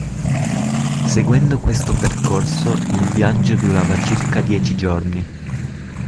Seguendo questo percorso, il viaggio durava circa dieci giorni.